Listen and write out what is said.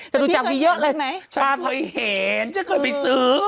ฉันเคยเห็นฉันเคยไปซื้อ